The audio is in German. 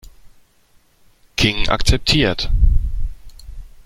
King akzeptiert.